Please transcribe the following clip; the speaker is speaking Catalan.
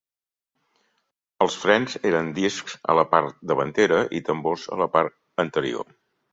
Els frens eren discs a la part davantera i tambors a la part anterior.